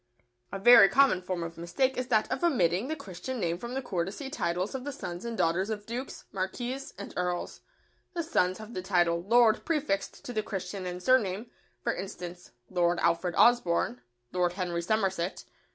] A very common form of mistake is that of omitting the Christian name from the courtesy titles of the sons and daughters of dukes, marquises, and earls. The sons have the title "Lord" prefixed to the Christian and surname: for instance, "Lord Alfred Osborne," "Lord Henry Somerset."